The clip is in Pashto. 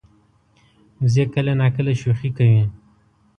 وزې کله ناکله شوخي کوي